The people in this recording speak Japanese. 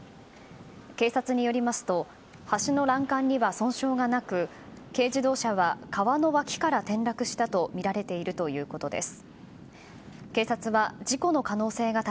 警察によりますと橋の欄干には損傷がなく軽自動車は川の脇から転落したとみられているということです。